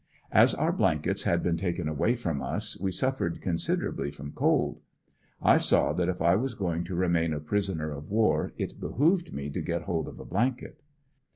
As our blankets had been taken away from us we suf fered considerably from cold. I saw that if I was going to remain a prisoner of war it behooved me to get hold of a blanket.